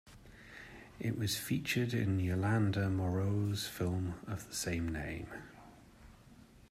It was featured in Yolande Moreau's film of the same name.